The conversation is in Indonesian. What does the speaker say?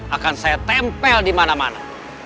akan saya tempel di mana mana